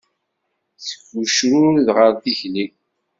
Seg ucrured ɣer tikli.